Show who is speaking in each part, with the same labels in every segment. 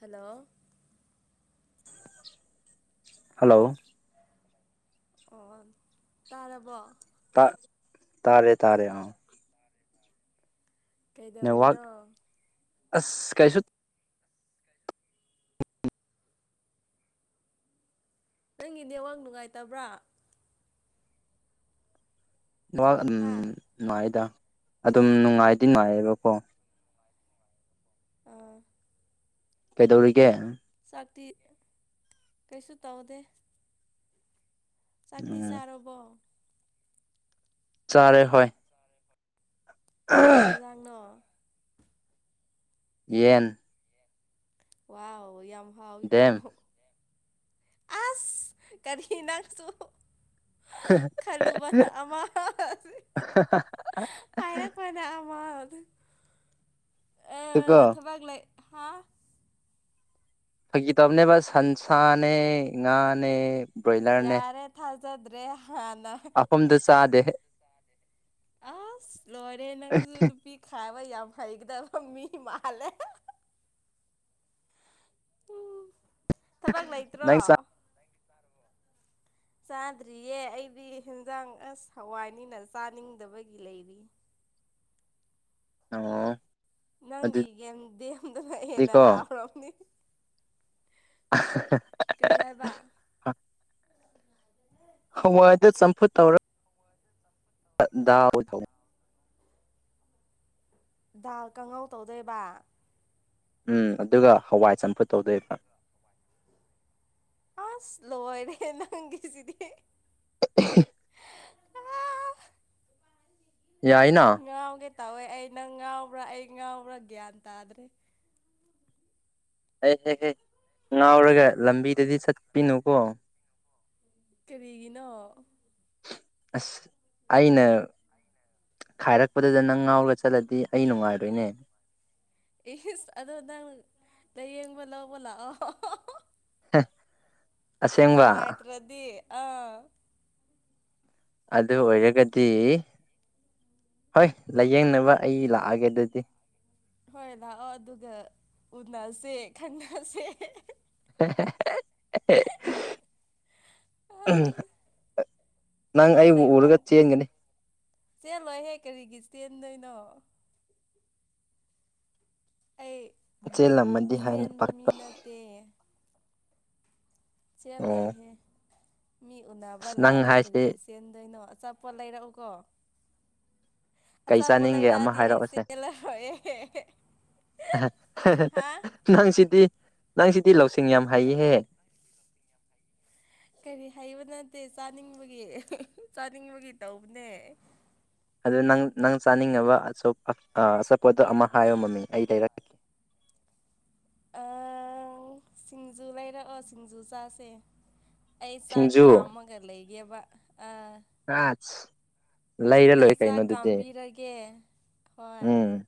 Speaker 1: hello
Speaker 2: hello
Speaker 1: ꯑꯣ ꯇꯥꯔꯕꯣ
Speaker 2: ꯇꯥꯛ ꯇꯔꯦ ꯇꯔꯦꯑꯣ ꯅꯦꯠꯋꯥꯛ
Speaker 1: ꯀꯩꯗꯧꯔꯤꯅꯣ
Speaker 2: ꯑꯁ ꯀꯥꯏꯁꯨ
Speaker 1: ꯅꯪꯒꯤꯗꯤ ꯑꯋꯥꯡ ꯅꯨꯡꯉꯥꯏꯇꯕ꯭ꯔꯥ
Speaker 2: ꯋꯥꯥꯛ ꯑꯗꯨꯝ
Speaker 1: ꯍꯥ
Speaker 2: ꯅꯨꯡꯉꯥꯏꯗ ꯑꯗꯨꯝ ꯅꯨꯡꯉꯥꯏꯗꯤ ꯅꯨꯡꯉꯥꯏꯌꯦꯕꯀꯣ
Speaker 1: ꯑ
Speaker 2: ꯀꯩꯗꯧꯔꯤꯒꯦ
Speaker 1: ꯤ ꯀꯩꯁꯨ ꯇꯧꯗꯦ ꯆꯥꯛꯇꯤ
Speaker 2: ꯎꯝ
Speaker 1: ꯆꯥꯔꯕꯣ
Speaker 2: ꯆꯥꯔꯦ ꯍ
Speaker 1: ꯀꯩꯖꯉꯣ
Speaker 2: ꯌꯦꯟ
Speaker 1: ꯋꯥ ꯌꯥꯝ ꯍꯥꯎꯋꯤꯀꯣ
Speaker 2: ꯗꯦꯝ
Speaker 1: ꯑꯁ ꯀꯔꯤ ꯅꯅꯥꯁꯨ ꯈꯜꯂꯨꯕꯅ ꯑ
Speaker 2: ꯑ
Speaker 1: ꯑ ꯊꯕꯒꯂꯦ ꯍꯥ
Speaker 2: ꯐꯀꯤ ꯇꯕꯅꯦ ꯁ ꯁꯟꯁꯥꯅꯦ ꯉꯥꯅꯦ
Speaker 1: ꯌꯥꯔꯦ ꯊꯥꯜꯖꯗ꯭ꯔꯦ
Speaker 2: ꯑꯐꯝꯝꯗꯨ ꯆꯗꯦꯦ
Speaker 1: ꯑꯁ ꯂꯣꯏꯔꯦ ꯅꯪꯁꯨ ꯅꯨꯄꯤ ꯈꯥꯏꯕ ꯌꯥꯝ ꯐꯩꯒꯗꯕꯪ ꯃꯤ ꯃꯥꯂꯦ ꯇꯕꯥꯛ ꯂ ꯏꯇ꯭ꯔꯣ
Speaker 2: ꯅꯪ ꯆꯥ
Speaker 1: ꯆꯥꯗ꯭ꯔꯤꯌꯦ ꯑꯩꯗꯤ ꯌꯦꯟꯖꯥꯡ ꯑꯁ ꯍꯋꯥꯏꯅꯤꯅ ꯆꯥꯅꯤꯡꯗꯕꯒꯤ ꯂꯩꯔꯤ
Speaker 2: ꯑꯣ
Speaker 1: ꯅꯪꯒꯤꯦꯝ ꯗꯦꯝꯗꯅ ꯍꯦꯟꯅ
Speaker 2: ꯑꯗꯨꯗꯤꯀꯣ
Speaker 1: ꯍꯥꯎ꯭ꯔꯣꯅꯤ ꯀꯔꯤ ꯍꯥꯏꯕ
Speaker 2: ꯍꯋꯥꯏꯗ ꯆꯝꯐꯨꯠ ꯇꯧꯔ ꯗꯥꯎꯗꯧ
Speaker 1: ꯗꯥ ꯀꯪꯍꯥꯎ ꯇꯧꯗꯣꯏꯕ
Speaker 2: ꯎꯝ ꯑꯗꯨꯒ ꯍꯋꯥꯏ ꯆꯝꯐꯨꯠ ꯇꯧꯗꯣꯏꯕ
Speaker 1: ꯑ ꯁ ꯂꯣ ꯑꯣꯏꯅꯦ ꯅꯪ ꯀꯦꯁꯤꯗꯤꯦ
Speaker 2: [unintelligible] ꯌꯥꯏꯅ
Speaker 1: ꯉꯥꯎꯒꯦ ꯇꯧꯋꯦ ꯑꯩ ꯅꯪ ꯉꯥꯎꯕ꯭ꯔꯥ ꯑꯩ ꯉꯥꯎꯕ꯭ꯔꯥ ꯒ꯭ꯌꯥꯟ ꯇꯥꯗ꯭꯭ꯔꯔꯤ
Speaker 2: ꯍ ꯍꯦꯛ ꯍꯦ ꯉꯥꯎꯔꯒ ꯂꯝꯕꯤꯗꯗꯤ ꯆꯠꯄꯤꯅꯨꯀꯣ
Speaker 1: ꯀꯔꯤꯒꯤꯅꯣ
Speaker 2: ꯑꯁ ꯑꯩꯅ ꯈꯥꯏꯔꯛꯄꯗꯨꯗ ꯅꯪ ꯉꯥꯎꯔꯒ ꯆꯠꯂꯗꯤ ꯑꯩ ꯅꯨꯡꯉꯥꯏꯔꯣꯏꯅꯦ
Speaker 1: ꯑꯗꯨ ꯂꯩ ꯌꯦꯡꯕꯣꯂꯕꯣꯂ
Speaker 2: ꯍ
Speaker 1: ꯅꯨꯡꯉꯥꯏꯇ꯭ꯔꯗꯤ ꯑꯥ
Speaker 2: ꯑꯗꯨ ꯑꯣꯏꯔꯒꯗꯤ ꯍꯣꯏ ꯂꯥꯏꯌꯦꯡꯅꯕ ꯑꯩ ꯂꯥꯛꯑꯒꯦ ꯑꯗꯨꯗꯤ
Speaker 1: ꯍꯣꯏ ꯂꯥꯛꯑꯣ ꯑꯗꯨꯒ ꯎꯟꯅꯁꯦ ꯈꯟꯅꯁꯦ
Speaker 2: ꯎꯝ
Speaker 1: ꯊꯕꯥꯛ ꯂꯕ꯭ꯔ ꯆ ꯂꯣꯏ ꯍꯦꯛ ꯀꯔꯤꯒꯤꯁꯤ ꯇꯦꯟꯗꯩꯅ ꯑꯩ
Speaker 2: ꯆꯦ ꯂ ꯃꯗꯤ ꯍꯥꯏꯥꯡ
Speaker 1: ꯆꯦꯟꯕ ꯃꯤ
Speaker 2: ꯄꯔꯇ
Speaker 1: ꯅꯠꯇꯦ ꯆꯦꯜꯂꯣꯏꯍꯦ ꯃꯤ ꯎꯅꯕ
Speaker 2: ꯑꯁ ꯅꯪ
Speaker 1: ꯂꯥꯛꯑꯒ
Speaker 2: ꯍꯥꯏꯁꯦ
Speaker 1: ꯀꯔꯤꯒꯤ ꯆꯦꯟꯗꯣꯏꯅꯣ ꯑꯆꯥꯄꯣꯠ ꯂꯩꯔꯛꯎꯀꯣ
Speaker 2: ꯀꯩ
Speaker 1: ꯑꯆꯥꯥ
Speaker 2: ꯆꯥꯅꯤꯡꯒꯦ ꯑꯃ
Speaker 1: ꯄꯣꯂꯦꯔꯗꯤ ꯑꯁꯂ ꯍ
Speaker 2: ꯅꯪ ꯁꯤꯗꯤꯤ ꯅꯪ ꯁꯤꯗꯤ ꯂꯧꯁꯤꯡ ꯌꯥꯝ ꯍꯩꯍꯦ
Speaker 1: ꯀꯔꯤ ꯍꯩꯕ ꯅꯠꯇꯦ ꯆꯥꯅꯤꯡꯕꯒꯤ ꯆꯥꯅꯤꯡꯕꯒꯤ ꯇꯧꯕꯅꯦ
Speaker 2: ꯑꯗꯨ ꯅꯪ ꯅꯪ ꯆꯥꯅꯤꯡꯅꯕ ꯑꯆꯥꯄꯣꯠꯇꯣ ꯑꯃ ꯍꯥꯏꯌꯣ ꯃꯃꯤ ꯑꯩ ꯂꯩꯔꯛꯀꯦ
Speaker 1: [unintelligible] ꯑꯪ ꯁꯤꯡꯖꯨ ꯂꯩꯔꯛꯑꯣ ꯁꯤꯡꯖꯨ ꯆꯥꯁꯦ ꯑꯩ ꯆꯥꯛ
Speaker 2: ꯁꯤꯡꯖꯨ
Speaker 1: ꯀꯥꯝꯃꯒ ꯂꯩꯒꯦꯕ ꯑꯥ
Speaker 2: ꯑꯁ ꯂꯩꯔ
Speaker 1: ꯑꯩ
Speaker 2: ꯂꯣꯏꯔꯦ ꯀꯩꯅꯣ
Speaker 1: ꯆꯥꯛ
Speaker 2: ꯑꯗꯨꯗꯤ
Speaker 1: ꯀꯥꯝꯕꯤꯔꯒꯦ ꯍꯣꯏ
Speaker 2: ꯎꯝ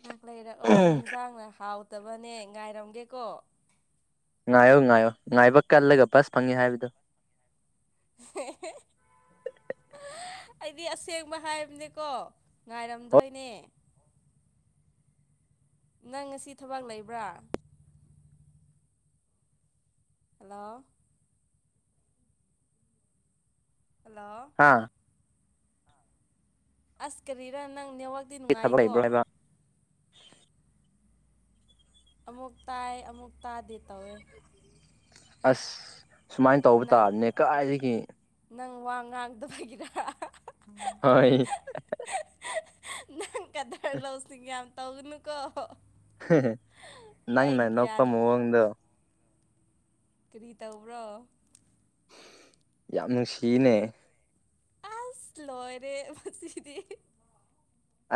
Speaker 1: ꯉꯍꯥꯛ ꯂꯩꯔꯛꯑꯣ ꯍꯦꯟꯁꯥꯡꯅ ꯍꯥꯎꯇꯕꯅꯦ ꯉꯥꯏꯔꯝꯒꯦꯀꯣ
Speaker 2: ꯉꯥꯏꯌꯣ ꯉꯥꯏꯌꯣ ꯉꯥꯏꯕ ꯀꯜꯂꯒ ꯕꯁ ꯐꯪꯉꯤ ꯍꯥꯏꯕꯗꯨ
Speaker 1: [unintelligible] ꯑꯩꯗꯤ ꯑꯁꯦꯡꯕ ꯍꯥꯏꯕꯅꯦꯀꯣ
Speaker 2: ꯍꯣꯏ
Speaker 1: ꯉꯥꯏꯔꯝꯗꯣꯏꯅꯦ [unintelligible] ꯅꯪ ꯉꯁꯤ ꯊꯕꯛ ꯂꯩꯕ꯭ꯔꯥ ꯍꯜꯂꯣ ꯍꯜꯂꯣ
Speaker 2: ꯍꯥ
Speaker 1: ꯑꯁ ꯀꯔꯤꯔꯥ ꯅꯪ ꯅꯦꯋꯥꯛꯗꯤ
Speaker 2: ꯊꯕꯛ
Speaker 1: ꯅꯨꯡꯉꯥꯏꯀꯣ
Speaker 2: ꯂꯩꯕ꯭ꯔꯣ ꯍꯥꯏꯕ
Speaker 1: ꯑꯃꯨꯛ ꯇꯥꯏ ꯑꯃꯨꯛ ꯇꯥꯗꯦ ꯇꯧꯋꯦ
Speaker 2: ꯑꯁ ꯁꯨꯃꯥꯏꯅ ꯇꯧꯕ
Speaker 1: ꯅꯪ
Speaker 2: ꯇꯥꯔꯅꯦ ꯀꯥꯏꯒꯦ
Speaker 1: ꯅꯪ ꯋꯥ ꯉꯥꯡꯗꯕꯒꯤꯔꯥ
Speaker 2: ꯍ [unintelligible] [inaudible]
Speaker 1: ꯅꯪ ꯀꯗꯔ ꯂꯧꯁꯤꯡ ꯀ ꯌꯥꯝ ꯇꯧꯒꯅꯨꯀꯣ
Speaker 2: ꯅꯪ
Speaker 1: ꯑꯩ
Speaker 2: ꯅ ꯅꯨꯄ
Speaker 1: ꯒ꯭ꯌꯥꯟ
Speaker 2: ꯃꯑꯣꯡꯗ
Speaker 1: ꯀꯔꯤ ꯇꯧꯕ꯭ꯔꯣ
Speaker 2: ꯌꯥꯝ ꯅꯨꯡꯁꯤꯅꯦ
Speaker 1: ꯑꯁ ꯂꯔꯦ ꯃꯁꯤꯗꯤ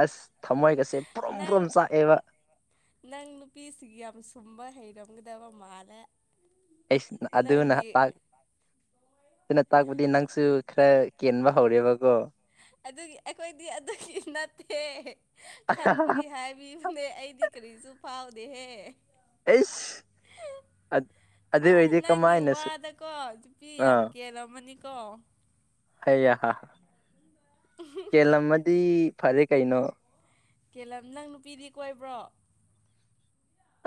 Speaker 2: ꯑꯁ ꯊꯃꯣꯏꯒꯁꯦ ꯄꯨꯔꯨꯝ
Speaker 1: ꯅꯪ
Speaker 2: ꯄꯨꯔꯨꯝ ꯆꯥꯛꯑꯦꯕ
Speaker 1: ꯅꯪ ꯅꯨꯄꯤꯁꯤꯒꯤ ꯌꯥꯝ ꯁꯨꯝꯕ ꯍꯩꯔꯝꯒꯗꯕ ꯃꯥꯜꯂꯦ
Speaker 2: ꯑꯩꯁ ꯑꯗꯨ ꯅꯍꯥꯛ
Speaker 1: ꯅꯪꯒꯤ
Speaker 2: ꯑꯗꯨꯅ ꯇꯥꯛꯄꯗꯤ ꯅꯪꯁꯨ ꯈꯔ ꯀꯦꯟꯕ ꯍꯧꯔꯦꯕꯀꯣ
Speaker 1: ꯎ [unintelligible] [inaudible] ꯑꯗꯨꯒꯤ ꯑꯩꯈꯣꯏꯗꯤ ꯑꯗꯨꯒꯤ ꯅꯠꯇꯦ ꯈꯪꯕꯒꯤ ꯍꯥꯏꯕꯤꯕꯅꯦ ꯑꯩꯗꯤ ꯀꯔꯤꯁꯨ ꯐꯥꯎꯗꯦꯍꯦ
Speaker 2: ꯑꯦꯁ
Speaker 1: ꯑꯩ ꯅꯪꯒꯤ ꯋꯥꯗꯀꯣ ꯅꯨꯄꯤ ꯌꯥꯝ ꯀꯦꯜꯂꯝꯝꯃꯅꯤꯣ ꯠꯇꯣ [unintelligible] [inaudible]
Speaker 2: ꯍꯌꯦ ꯍ ꯀꯦꯜꯂꯝꯃꯗꯤ ꯐꯔꯦ ꯀꯩꯅꯣ
Speaker 1: ꯀꯦꯂꯝ ꯅꯪ ꯅꯨꯄꯤꯗꯤ ꯀꯣꯏꯕ꯭ꯔꯣ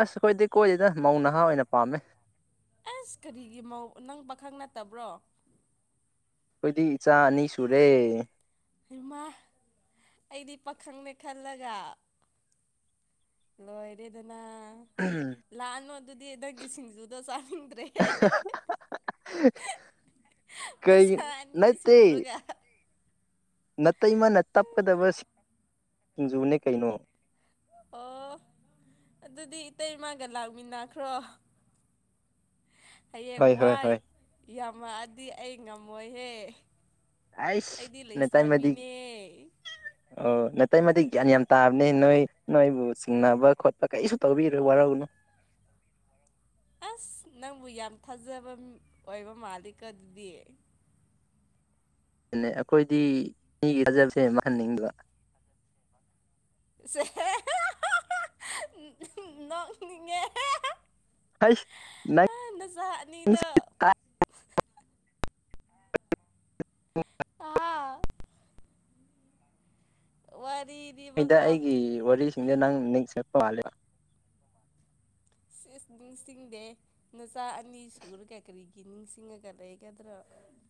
Speaker 2: ꯑꯁ ꯑꯩꯈꯣꯏꯗꯤ ꯀꯣꯏꯗꯦꯗ ꯃꯧ ꯅꯍꯥ ꯑꯣꯏꯅ ꯄꯥꯝꯃꯦ
Speaker 1: ꯑꯁ ꯀꯔꯤꯒꯤ ꯃꯧ ꯅꯪ ꯄꯥꯈꯪ ꯅꯠꯇꯕ꯭ꯔꯣ
Speaker 2: ꯑꯩꯈꯣꯏꯗꯤ ꯏꯆꯥ ꯑꯅꯤ ꯁꯨꯔꯦ
Speaker 1: ꯏꯃꯥ ꯑꯩꯗꯤ ꯄꯥꯈꯪꯅꯦ ꯈꯜꯂꯒ ꯂꯣꯏꯔꯦꯗꯅ ꯂꯥꯛꯑꯅꯣ ꯑꯗꯨꯗꯤ ꯅꯪꯒꯤ ꯁꯤꯡꯖꯨꯗ ꯆꯥ
Speaker 2: ꯀꯩ
Speaker 1: ꯅꯁꯥ ꯑꯅꯤ
Speaker 2: ꯅꯠꯇ
Speaker 1: ꯁꯨꯔꯒ
Speaker 2: ꯅꯇꯩꯃꯅ ꯇꯞꯀꯗꯕ ꯁꯤꯡꯖꯨꯅꯦ ꯀꯩꯅꯣ
Speaker 1: ꯑꯣ ꯑꯗꯨꯗꯤ ꯏꯇꯩꯃꯒ ꯂꯥꯛꯃꯤꯟꯅꯈ꯭ꯔꯣ ꯍꯌꯦꯡ
Speaker 2: ꯍꯣꯏ ꯍꯣꯏ
Speaker 1: ꯋꯥꯏ
Speaker 2: ꯍꯣꯏ
Speaker 1: ꯌꯥꯝꯃꯛꯑꯗꯤ ꯑꯩ ꯉꯝꯃꯣꯏꯍꯦ
Speaker 2: ꯑꯁ
Speaker 1: ꯑꯩꯗꯤ
Speaker 2: ꯅ ꯇꯏ ꯃꯗꯤ
Speaker 1: ꯂꯩꯁꯥꯕꯤꯅꯦ
Speaker 2: ꯑ ꯅꯠꯇꯏ ꯃꯗꯤ ꯒ꯭ꯌꯥꯟ ꯌꯥꯝ ꯇꯥꯕꯅꯦ ꯅꯣꯏ ꯅꯣꯏꯕꯨ ꯆꯤꯡꯅꯕ ꯈꯣꯠꯄ ꯀꯩꯁꯨ ꯇꯧꯕꯤꯔꯣ ꯋꯥꯔꯧꯅꯨ
Speaker 1: ꯃꯔꯔꯝ ꯑꯁ ꯅꯪꯕꯨ ꯌꯥꯝ ꯊꯥꯖꯕ ꯑꯣꯏꯕ ꯃꯥꯜꯂꯤꯀ ꯑꯗꯨꯗꯤ
Speaker 2: ꯑꯩꯈꯣꯏꯗꯤ ꯃꯤꯒꯤ ꯊꯥꯖꯕꯁꯦ ꯃꯍꯟꯅꯤꯡꯕ
Speaker 1: ꯦ [inaudible] ꯅꯣꯛꯅꯤꯡꯉꯦ
Speaker 2: ꯍꯩꯁ
Speaker 1: ꯅꯁꯥꯛꯅꯤꯗ
Speaker 2: ꯅꯪꯁꯤ
Speaker 1: ꯑꯥ ꯑꯣꯏ
Speaker 2: ꯅꯣꯏꯗ ꯑꯩꯒꯤ ꯋꯥꯔꯤꯁꯤꯡꯗ ꯅꯪ ꯅꯤꯡꯁꯔ ꯄꯥꯂꯕ
Speaker 1: ꯁꯤꯁ ꯅꯤꯡꯁꯤꯡꯗꯦ ꯅꯆꯥ ꯑꯅꯤ ꯁꯨꯔꯒ ꯀꯔꯤꯒꯤ ꯅꯤꯡꯁꯤꯡꯉꯒ ꯂꯩꯒꯗ꯭ꯔ [unintelligible] [inaudible]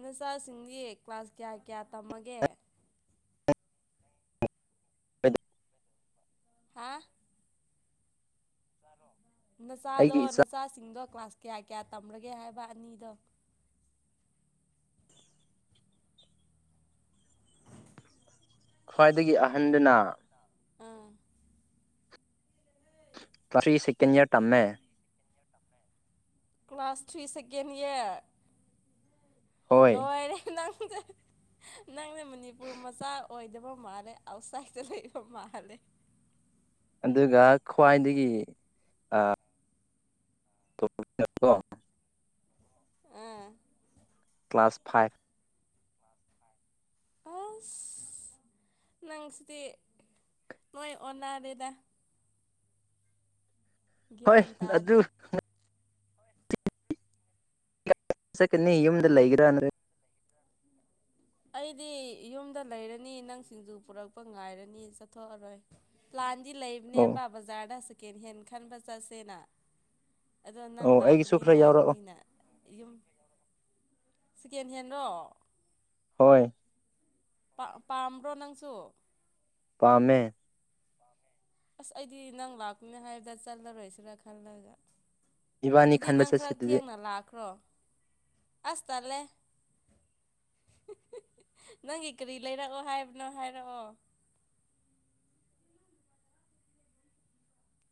Speaker 1: ꯅꯆꯥꯁꯤꯡꯗꯤ ꯀ꯭ꯂꯥꯁ ꯀꯌꯥ ꯀꯌꯥ ꯇꯝꯃꯒꯦ
Speaker 2: [unintelligible] [inaudible]
Speaker 1: ꯍꯥ ꯅꯁꯥꯗꯣ
Speaker 2: ꯑꯩꯒꯤ ꯏꯆꯥ
Speaker 1: ꯅꯁꯥꯁꯤꯡꯗꯣ ꯀ꯭ꯂꯥꯁ ꯀꯌꯥ ꯀꯌꯥ ꯇꯔꯒꯦ ꯍꯥꯏꯕ ꯑꯅꯤꯗꯣ
Speaker 2: ꯈ꯭ꯋꯥꯏꯗꯒꯤ ꯑꯍꯟꯗꯅ
Speaker 1: ꯑꯥ
Speaker 2: ꯀ꯭ꯂꯥꯁ ꯊ꯭ꯔꯤ ꯁꯦꯀꯦꯟ ꯏꯔ ꯇꯝꯃꯦ
Speaker 1: ꯀ꯭ꯂꯥꯁ ꯊ꯭ꯔꯤ ꯁꯦꯀꯦꯟ ꯏꯌꯥꯔ
Speaker 2: ꯍꯣꯏ
Speaker 1: ꯂꯣꯏꯔꯦ ꯅꯪ [inaudible] ꯅꯪꯅ ꯃꯅꯤꯄꯨꯔ ꯃꯆꯥ ꯑꯣꯏꯗꯕ ꯃꯥꯜꯂꯦ ꯑꯥꯎꯠꯁꯥꯏꯗꯠꯇ ꯂꯩꯕ ꯃꯥꯜꯂꯦ [inaudible]
Speaker 2: ꯑꯗꯨꯒ ꯈ꯭ꯋꯥꯏꯗꯒꯤ ꯀꯣ
Speaker 1: ꯑꯥ
Speaker 2: ꯀ꯭ꯂ ꯀ꯭ꯂꯥꯁ ꯐꯥꯏꯚ
Speaker 1: ꯑꯁ ꯅꯪ ꯆꯗꯤ ꯅꯣꯏ ꯑꯣꯗ
Speaker 2: ꯍꯣꯏ
Speaker 1: ꯒ꯭ꯌꯥꯟ
Speaker 2: ꯑꯗꯨ
Speaker 1: ꯇꯥꯗꯦ
Speaker 2: ꯁꯛꯀꯅꯤ ꯌꯨꯝꯗ ꯂꯩꯒ꯭ꯔꯥꯅꯔꯦ
Speaker 1: ꯑꯩꯗꯤ ꯌꯨꯝꯗ ꯂꯩꯔꯅꯤ ꯅꯪ ꯁꯤꯡꯖꯨ ꯄꯨꯔꯛꯄ ꯉꯥꯏꯔꯅꯤ ꯆꯠꯊꯣꯛꯑꯔꯣꯏꯥꯟ ꯁꯤ
Speaker 2: ꯑꯣ
Speaker 1: ꯂꯩꯕꯅꯦꯕ ꯕꯖꯥꯔꯗ ꯁꯦꯀꯦꯟ ꯍꯦꯟ ꯈꯟꯕ ꯆꯠꯁꯦꯅ ꯑꯗꯣ ꯅꯪ
Speaker 2: ꯑꯣ ꯑꯩꯒꯤꯁꯨ
Speaker 1: ꯂꯥꯛꯀꯅꯤ
Speaker 2: ꯈꯔ ꯌꯥꯎꯔꯛꯑꯣ
Speaker 1: ꯍꯥꯏꯕꯅꯤꯅ ꯌꯨꯝ ꯁꯤꯀꯦꯟ ꯍꯦꯟ꯭ꯔꯣ
Speaker 2: ꯍꯣꯏ
Speaker 1: ꯄꯥꯝꯕ꯭ꯔꯣ ꯅꯪꯁꯨ
Speaker 2: ꯄꯥꯥꯝꯃꯦ
Speaker 1: ꯑꯁ ꯑꯩꯗꯤ ꯅꯪ ꯂꯥꯛꯄꯅꯤ ꯍꯥꯏꯕꯗ ꯆꯠꯂꯔꯣꯏꯁꯤꯔꯥ ꯈꯜꯂꯒ
Speaker 2: ꯏꯕꯥꯅꯤ
Speaker 1: ꯑꯗꯨꯗꯤ
Speaker 2: ꯈꯟꯕ
Speaker 1: ꯅꯪ
Speaker 2: ꯆꯠꯁꯤ
Speaker 1: ꯈꯔ
Speaker 2: ꯑꯗꯨꯗꯤ
Speaker 1: ꯊꯦꯡꯅ ꯂꯥꯛꯈ꯭ꯔꯣ ꯑꯁ ꯇꯜꯂꯦ ꯅꯪꯒꯤ ꯀꯔꯤ ꯂꯩꯔꯛꯑꯣ ꯍꯥꯏꯕꯅꯣ ꯍꯥꯏꯔꯛꯑꯣ [inaudible]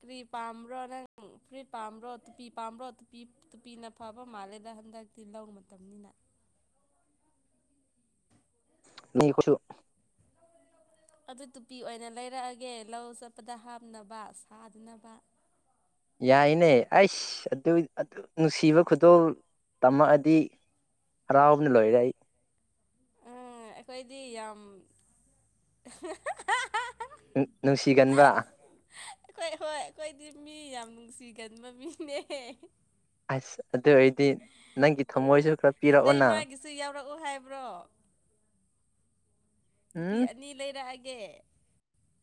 Speaker 1: ꯀ꯭ꯔꯤ ꯄꯥꯝꯕ꯭ꯔꯣ ꯅꯪ ꯀ꯭ꯔꯤ ꯄꯥꯝꯕ꯭ꯔꯣ ꯇꯨꯄꯤ ꯄꯥꯝꯕ꯭ꯔꯣ ꯇꯨꯄꯤ ꯇꯨꯄꯤꯅ ꯐꯕ ꯃꯥꯜꯂꯦꯗ ꯍꯟꯗꯛꯇꯤ ꯂꯧ ꯃꯇꯝꯅꯤꯅ
Speaker 2: ꯅ ꯀꯁꯨ
Speaker 1: ꯑꯗꯨ ꯇꯨꯄꯤ ꯑꯣꯏꯅ ꯂꯩꯔꯛꯑꯒꯦ ꯂꯧ ꯆꯠꯄꯗ ꯍꯥꯞꯅꯕ ꯁꯥꯗꯅꯕ
Speaker 2: ꯌꯥꯏꯅꯦ ꯑꯩꯁ ꯑꯗꯨ ꯅꯨꯡꯁꯤꯕ ꯈꯨꯗꯣꯜ ꯇꯝꯃꯛꯑꯗꯤ ꯍꯔꯥꯎꯕꯅ ꯂꯣꯏꯔꯦꯏ
Speaker 1: ꯎ ꯑꯩꯈꯣꯏꯗꯤ ꯌꯥꯝ
Speaker 2: ꯅꯨꯡꯁꯤꯒꯟꯕ
Speaker 1: ꯑꯩꯈꯣꯏ ꯍꯣꯏ ꯑꯩꯈꯣꯏꯗꯤ ꯃꯤ ꯌꯥꯝ ꯅꯨꯡꯁꯤꯒꯅꯤ ꯃꯃꯤꯅꯦ
Speaker 2: ꯑꯁ ꯑꯗꯨ ꯑꯣꯏꯔꯗꯤ ꯅꯪꯒꯤ ꯊꯝꯃꯣꯏꯁꯨ ꯈꯔ ꯄꯤꯔꯛꯑꯣꯅ
Speaker 1: ꯑꯣ ꯅꯨꯄꯤ ꯑꯅꯤ ꯂꯩꯔꯛꯑꯒꯦ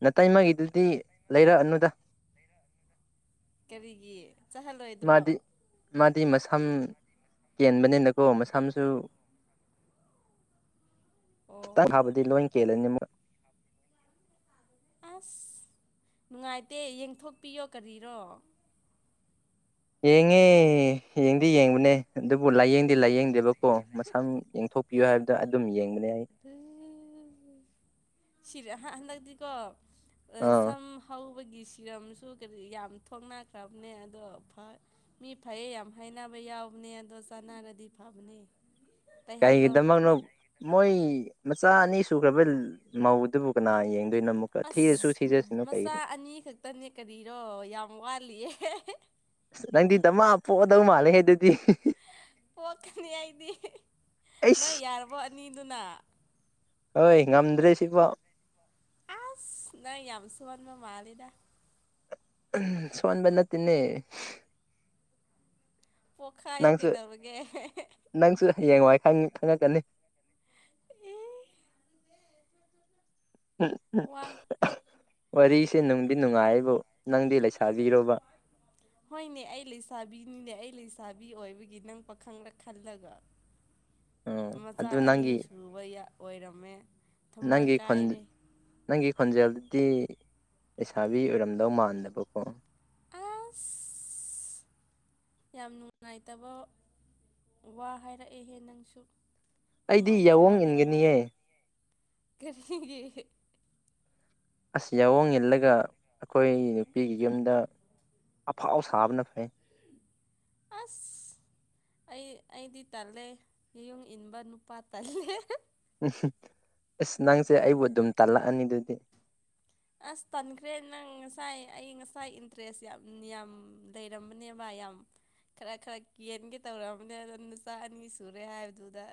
Speaker 2: ꯅꯥꯇꯩ ꯃꯥꯒꯤꯗꯨꯗꯤ ꯂꯩꯔꯛꯑꯅꯨꯗ
Speaker 1: ꯀꯔꯤꯒꯤ ꯆꯥꯍꯜꯂꯣꯏꯗ꯭ꯔꯣ
Speaker 2: ꯤ ꯃꯁꯝ ꯀꯦꯟꯕꯅꯤꯅꯀꯣ ꯃꯁꯝꯁꯨ ꯈꯤꯇꯪ
Speaker 1: ꯑꯣ
Speaker 2: ꯊꯕꯗꯤ ꯂꯣꯏ ꯀꯦꯜꯂꯅꯤꯃꯛ
Speaker 1: ꯑꯁ ꯅꯨꯡꯉꯥꯏꯇꯦ ꯌꯦꯡꯊꯣꯛꯄꯤꯌꯣ ꯀꯔꯤꯔꯣ
Speaker 2: ꯌꯦꯡꯉꯦ ꯌꯦꯡꯗꯤꯦ ꯌꯦꯡꯕꯅꯦ ꯑꯗꯨꯕꯨ ꯂꯥꯏꯌꯦꯡꯗꯤ ꯂꯥꯏꯌꯦꯡꯗꯦꯕꯀꯣ ꯃꯁꯥ ꯌꯦꯡꯊꯣꯛ ꯊꯣꯛꯄꯤꯌꯨ ꯍꯥꯏꯕꯗꯨ ꯑꯗꯨꯝ ꯌꯦꯡ
Speaker 1: ꯑ ꯁꯤꯔ ꯍꯟꯗꯛꯇꯗꯤꯀꯣ
Speaker 2: ꯑꯥ
Speaker 1: ꯁꯝ ꯍ ꯒꯤ ꯁꯤꯔꯝꯁꯨ ꯌꯥꯝ ꯊ ꯊꯣꯛꯅꯈ꯭ꯔꯕꯅꯦ ꯑꯗꯣ ꯃꯤ ꯐꯩꯌꯦ ꯌꯥꯝ ꯍꯥꯏꯅꯕ ꯑꯩꯈꯣꯏ ꯌꯥꯎꯕꯅꯦ ꯑꯗꯣ ꯆꯥꯅꯥꯒꯗꯤ ꯐꯕꯅꯦ ꯇꯩꯍꯜꯂꯣ
Speaker 2: ꯀꯔꯤꯒꯤꯗꯃꯛꯅꯣ ꯃꯣꯏ ꯃꯆꯥ ꯑꯅꯤ ꯁꯨꯈ꯭ꯔꯕ ꯃꯧꯗꯨꯕꯨ ꯀꯅꯥ ꯌꯦꯡꯒ
Speaker 1: ꯑꯁ ꯃꯆꯥ ꯑꯅꯤ ꯈꯛꯇꯅꯦ ꯀꯔꯤꯔꯣ ꯌꯥꯝ ꯋꯥꯠꯂꯤꯌꯦ
Speaker 2: ꯑꯁ ꯅꯪꯗꯤ ꯗꯃ ꯄꯣꯛꯑꯗꯧ ꯃꯥꯜꯂꯦ ꯍꯥꯏ ꯑꯗꯨꯗꯤ
Speaker 1: ꯄꯣꯛꯀꯅꯤ ꯑꯩꯗꯤ
Speaker 2: ꯑꯩꯁ
Speaker 1: ꯅꯪ ꯌꯥꯔꯕꯣ ꯑꯅꯤꯗꯨꯅ
Speaker 2: ꯍꯣꯏ ꯉꯝꯗ꯭ꯔꯦ ꯁꯤꯕꯥꯎ
Speaker 1: ꯑꯁ ꯅ ꯌꯥꯝꯁꯨ ꯋꯥꯟ ꯃ ꯃꯥ ꯂꯤꯗ
Speaker 2: ꯁꯣꯟꯕꯅ ꯇꯟꯅ
Speaker 1: ꯄꯣꯈꯥꯏꯌꯨ ꯀꯗꯧꯔꯒꯦ
Speaker 2: ꯅꯪꯁꯨ ꯍꯌꯦꯡꯋꯥꯏ ꯈꯪꯉꯛꯀꯅꯤ
Speaker 1: ꯋꯥ
Speaker 2: ꯋꯥꯔꯤꯁꯦ ꯅꯨꯡꯗꯤ ꯅꯨꯡꯉꯥꯏꯕꯨ ꯅꯪꯗꯤ ꯂꯩꯁꯥꯕꯤꯔꯣꯕ
Speaker 1: ꯍꯣꯏꯅꯦ ꯑꯩ ꯂꯩꯁꯥꯕꯤꯅꯤꯅꯦ ꯑꯩ ꯂꯩꯁꯥꯕꯤ ꯄꯥꯕꯤ ꯑꯣꯏꯕꯒꯤ ꯅꯪ ꯄꯥꯈꯪꯂ ꯈꯜꯂꯒ
Speaker 2: ꯎꯝ
Speaker 1: ꯃꯆꯥ
Speaker 2: ꯑꯗꯨ
Speaker 1: ꯑꯅꯤ
Speaker 2: ꯅꯪꯒꯤ
Speaker 1: ꯁꯨꯕ ꯑꯣꯏꯔꯝꯃꯦ ꯊꯃꯣꯏ
Speaker 2: ꯅꯪꯒꯤ ꯈꯣꯟ
Speaker 1: ꯀꯥꯏꯔꯦ
Speaker 2: ꯅꯪꯒꯤ ꯈꯣꯟꯖꯦꯜ ꯇꯤ ꯂꯩꯁꯥꯕꯤ ꯑꯣꯏꯔꯝꯗꯧ ꯃꯥꯟꯗꯕꯀꯣ
Speaker 1: ꯑ ꯌꯥꯝ ꯅꯨꯡꯉꯥꯏꯇꯕ ꯋꯥ ꯍꯥꯏꯔꯛꯑꯦꯍꯦ ꯅꯪꯁꯨ
Speaker 2: ꯑꯩꯗꯤ ꯌꯥꯋꯣꯡ ꯏꯟꯒꯅꯤꯌꯦ
Speaker 1: ꯀꯒꯤ
Speaker 2: ꯑꯁ ꯌꯥꯑꯣꯣꯡ ꯏꯜꯂꯒ ꯑꯩꯈꯣꯏ ꯅꯨꯄꯤꯒꯤ ꯌꯨꯝꯗ ꯑꯐꯥꯎ ꯁꯥꯕꯅ ꯐꯩ
Speaker 1: ꯑꯁ ꯑꯩ ꯑꯩꯗꯤ ꯇꯜꯂꯦ ꯌꯦꯌꯨꯡ ꯏꯟꯕ ꯅꯨꯄꯥ ꯇꯜꯂꯦ
Speaker 2: ꯎꯝ ꯑꯁ ꯅꯪꯁꯦ ꯑꯩꯕꯨ ꯑꯗꯨꯝ ꯇꯥꯜꯂꯛꯑꯅꯤ ꯑꯗꯨꯗꯤ
Speaker 1: ꯑꯁ ꯇꯟꯈ꯭ꯔꯦ ꯅꯪ ꯉꯁꯥꯏ ꯑꯩ ꯉꯁꯥꯏ ꯏꯟꯇꯔꯦꯁ ꯌꯥꯝ ꯌꯥꯝ ꯂꯩꯔꯝꯕꯅꯦ ꯚꯥꯏ ꯌꯥꯝꯌꯥꯝ ꯈꯔ ꯈꯔ ꯀꯦꯟꯒꯦ ꯇꯧꯔꯛꯑꯕꯅꯦ ꯑꯗꯣ ꯅꯨꯆꯥ ꯑꯅꯤ ꯁꯨꯔꯦ ꯍꯥꯏꯕꯗꯨꯗ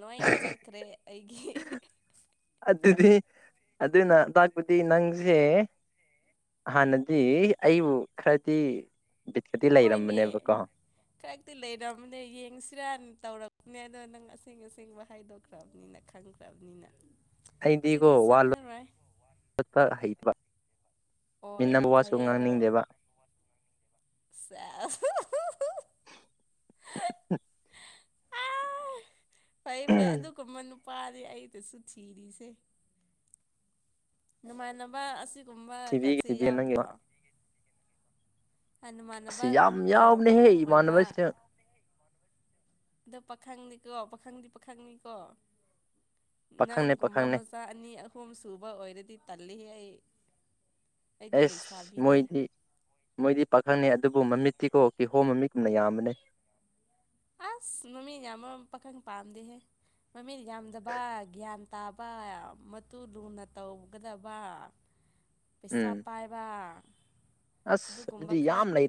Speaker 1: ꯅꯣꯏ ꯏꯪ ꯆꯠꯈ꯭ꯔꯦ ꯑꯩꯒꯤ
Speaker 2: ꯑꯗꯨꯗꯤ ꯑꯗꯨꯅ ꯇꯥꯛꯄꯗꯤ ꯅꯪꯁꯦ ꯍꯥ ꯅꯗꯤ ꯑꯏꯕꯨ ꯈ꯭ꯔꯗꯤ
Speaker 1: ꯍꯣꯏꯅꯦ ꯈꯔꯛꯇꯤ ꯂꯩꯔꯅꯦ ꯌꯦꯡꯁꯤꯔꯥ ꯇꯧꯔꯛꯄꯅꯦ ꯑꯗꯣ ꯅꯪ ꯑꯁꯦꯡ ꯑꯁꯦꯡꯕ ꯍꯥꯏꯗꯣꯛꯈ꯭ꯔꯕꯅꯤꯅ ꯈꯪꯈ꯭ꯔꯕꯅꯤꯅ
Speaker 2: ꯑꯩꯗꯤꯒꯣ
Speaker 1: ꯍꯧꯖꯤꯛꯇꯤ
Speaker 2: ꯋꯥ
Speaker 1: ꯆꯪꯉꯔꯣꯏ
Speaker 2: ꯂꯣꯄ ꯍꯩꯇꯕ
Speaker 1: ꯑꯣ
Speaker 2: ꯃꯤꯟꯅꯕ ꯋꯥꯁꯨ ꯉꯥꯡꯅꯤꯡꯗꯦꯕ
Speaker 1: ꯁꯦꯁ ꯐꯩ ꯐꯩ ꯑꯗꯨꯒꯕ ꯅꯨꯄꯥꯅꯤ ꯑꯩꯗꯁꯨ ꯊꯤꯔꯤꯁꯦ ꯅꯨꯡꯉꯥꯏꯅꯕ ꯑꯁꯤꯒꯨꯝꯕ
Speaker 2: ꯊꯤꯕꯤꯒꯦ
Speaker 1: ꯀꯁꯤ
Speaker 2: ꯊꯤꯕꯤꯒꯦ ꯅꯪꯒꯤ
Speaker 1: ꯌꯥꯎꯗ꯭ꯔꯣ
Speaker 2: ꯋꯥ ꯑꯁꯤ
Speaker 1: ꯅꯃꯥꯟꯅꯕ
Speaker 2: ꯌꯥꯝ ꯌꯥꯎꯅꯦꯍꯦ
Speaker 1: ꯄꯥꯈꯪ ꯑꯣꯏꯕ
Speaker 2: ꯏꯃꯥꯟꯅꯕꯁ
Speaker 1: ꯑꯗ ꯄꯥꯈꯪꯅꯤꯀꯣ ꯄꯥꯈꯪꯗꯤ ꯄꯥꯈꯪꯅꯤꯀꯣ
Speaker 2: ꯄꯥꯈꯪꯅꯦ
Speaker 1: ꯅꯪꯒꯨꯝꯕ
Speaker 2: ꯄꯥꯈꯪꯅꯦ
Speaker 1: ꯃꯆꯥ ꯑꯅꯤ ꯑꯍꯨꯝ ꯁꯨꯕ ꯑꯣꯏꯔꯗꯤ ꯇꯜꯂꯤ ꯑꯩ ꯑꯩꯗꯤ
Speaker 2: ꯑꯦꯁ
Speaker 1: ꯂꯩꯁꯥꯕꯤꯅꯦ
Speaker 2: ꯃꯣꯏꯗꯤ ꯃꯣꯏꯗꯤ ꯄꯥꯈꯪꯅꯤ ꯑꯗꯨ ꯑꯗꯨꯕꯨ ꯃꯃꯤꯠꯇꯤꯀꯣꯛ ꯀꯤ ꯍꯣꯝ ꯃꯃꯤꯠꯒꯨꯝꯅ ꯌꯥꯝꯕꯅꯤ
Speaker 1: ꯑꯁ ꯃꯃꯤꯠꯅ ꯌꯥꯝꯕ ꯄꯥꯈꯪ ꯄꯥꯝꯗꯦꯍꯦ ꯃꯃꯤꯅ ꯌꯥꯝꯗꯕ ꯒ꯭ꯌꯥꯟ ꯇꯥꯕ ꯃꯇꯨ ꯂꯨꯅ ꯇꯧꯒꯗꯕ ꯄꯦꯁꯥ
Speaker 2: ꯎꯝ
Speaker 1: ꯄꯥꯏꯕ
Speaker 2: ꯑꯁ
Speaker 1: ꯑꯗꯨꯒꯨꯝꯕ ꯈꯔ
Speaker 2: ꯌꯥꯝ ꯂꯩ